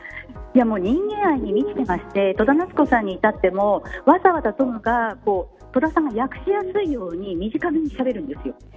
人間愛に満ちてまして戸田奈津子さんにいたっても、わざわざトムが戸田さんが訳しやすいように短めにしゃべるんです。